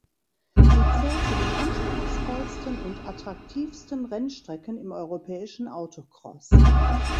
Sie zählt zu den anspruchsvollsten und attraktivsten Rennstrecken im europäischen Autocross.